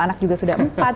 anak juga sudah empat